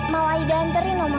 mau aida anterin oma